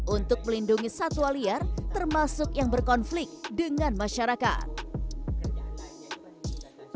untuk melindungi satwa liar termasuk yang berkonflik dengan masyarakat